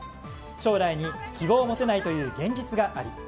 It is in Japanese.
将来に希望を持てないという現実があり。